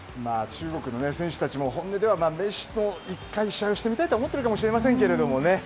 中国の選手たちも本音ではメッシと１回、試合をしてみたいと思っているかもしれませんが。